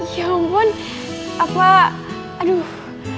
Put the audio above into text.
ya ampun apa aduh